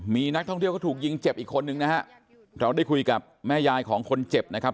มีนักท่องเที่ยวเขาถูกยิงเจ็บอีกคนนึงนะฮะเราได้คุยกับแม่ยายของคนเจ็บนะครับ